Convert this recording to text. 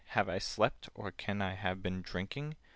"Have I slept? Or can I have been drinking?"